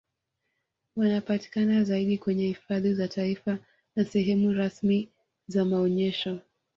Wanapatikana zaidi kwenye hifadhi za taifa na sehemu rasmi za maonyesho